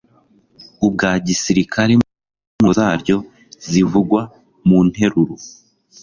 ubwa gisirikare mu ngingo zaryo zivugwa mu nteruro